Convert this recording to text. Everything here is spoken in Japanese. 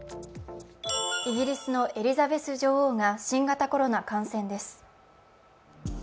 イギリスのエリザベス女王が新型コロナ感染です。